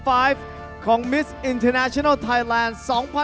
อยู่ในท็อป๕ของมิสอินเทอร์แนชันัลไทยแลนด์๒๐๑๖